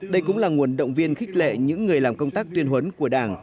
đây cũng là nguồn động viên khích lệ những người làm công tác tuyên huấn của đảng